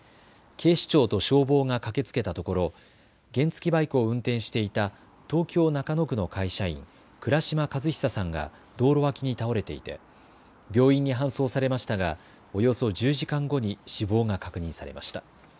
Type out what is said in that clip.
警視庁と消防が駆けつけたところ原付きバイクを運転していた東京中野区の会社員、倉島和久さんが道路脇に倒れていて病院に搬送されましたがおよそ１０時間後に死亡が確認されました。